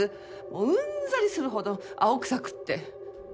うんざりするほど青臭くて。